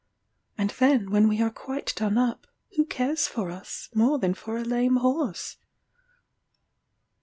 And then when we are quite done up, who cares for us, more than for a lame horse?